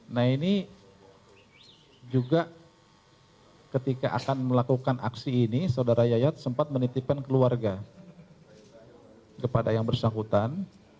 nah ini juga ketika akan melakukan aksi ini saudara yayat sempat menitipkan keluarga kepada yang bersangkutan